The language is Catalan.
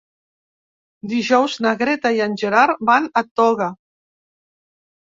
Dijous na Greta i en Gerard van a Toga.